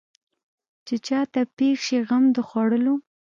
چې چا ته پېښ شي غم د خوړلو.